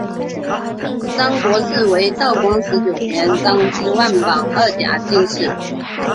张国士为道光十九年张之万榜二甲进士。